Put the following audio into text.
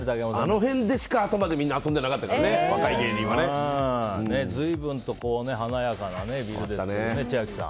あの辺でしか遊んでなかったからね随分と華やかなビルですね千秋さん。